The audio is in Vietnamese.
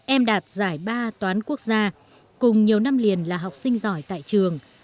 em đạt giải ba toán quốc gia cùng nhiều năm liền là học sinh giỏi tại trường